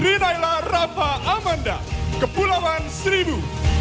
rinaila rafa amanda kepulauan seribu